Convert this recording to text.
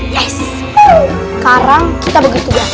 sekarang kita begitu ya